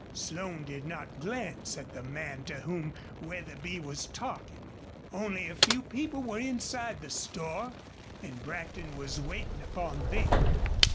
Slone did not glance at the man to whom Wetherby was talking. Only a few people were inside the store, and Brackton was waiting upon them.